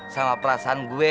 sama perasaan gue